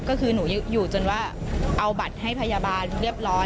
ก็คือหนูอยู่จนว่าเอาบัตรให้พยาบาลเรียบร้อย